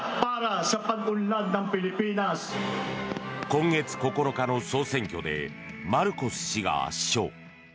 今月９日の総選挙でマルコス氏が圧勝。